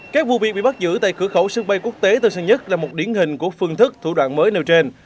các vụ việc bị bắt giữ tại cửa khẩu sân bay quốc tế tân sơn nhất là một điển hình của phương thức thủ đoạn mới nêu trên